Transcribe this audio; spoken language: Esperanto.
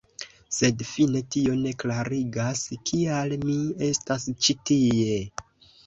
Sed fine tio ne klarigas, kial mi estas ĉi tie.